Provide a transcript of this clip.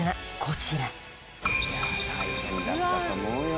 大変だったと思うよ。